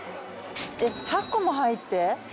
８個も入って。